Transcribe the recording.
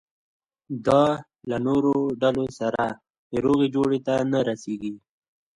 دا له نورو ډلو سره روغې جوړې ته نه رسېږي.